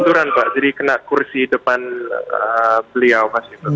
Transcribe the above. benturan pak jadi kena kursi depan beliau